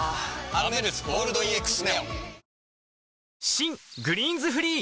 新「グリーンズフリー」